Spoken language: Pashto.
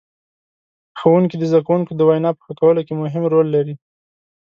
ښوونکي د زدهکوونکو د وینا په ښه کولو کې مهم رول لري.